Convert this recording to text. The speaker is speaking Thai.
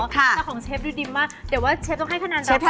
แต่ของเชฟดูดิมมากเดี๋ยวเชฟต้องให้คะแนนเดียวก่อนนะคะ